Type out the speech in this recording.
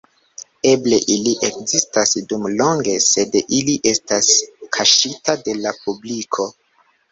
Eble ili ekzistas dum longe sed ili estas kaŝita de la publiko.